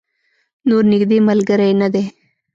نور نږدې ملګری نه دی.